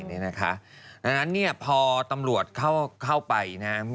เพราะฉะนั้นพอตำรวจเข้าไป